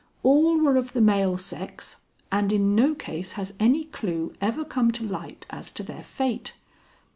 All were of the male sex, and in no case has any clue ever come to light as to their fate.